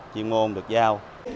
chuyên môn được giao